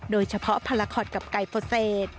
โดยเฉพาะพลาคอทกับไกลโฟเซต